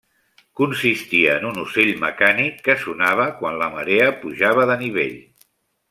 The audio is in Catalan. Consistia en un ocell mecànic que sonava quan la marea pujava de nivell.